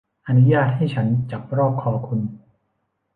อนุญาตให้ฉันจับรอบคอคุณ